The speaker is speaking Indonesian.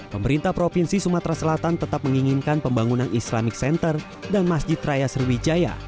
pemerintah provinsi sumatera selatan tetap menginginkan pembangunan islamic center dan masjid raya sriwijaya